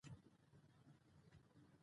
يو له بل سره بدلې شوې،